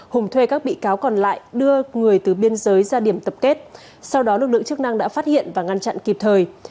hùng thuê các bị cáo còn lại đưa người từ biên giới ra điểm tập kết sau đó lực lượng chức năng đã phát hiện và ngăn chặn kịp thời